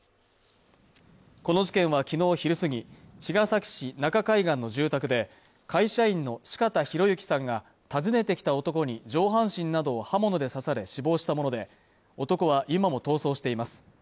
この事件はきのう昼過ぎ茅ヶ崎市中海岸の住宅で会社員の四方洋行さんが訪ねてきた男に上半身などを刃物で刺され死亡したもので男は今も逃走しています